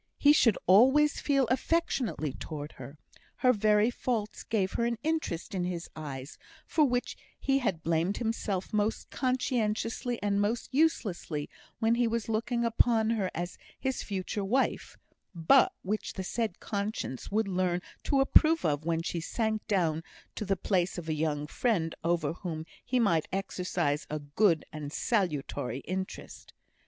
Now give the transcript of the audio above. He should always feel affectionately towards her; her very faults gave her an interest in his eyes, for which he had blamed himself most conscientiously and most uselessly when he was looking upon her as his future wife, but which the said conscience would learn to approve of when she sank down to the place of a young friend, over whom he might exercise a good and salutary interest.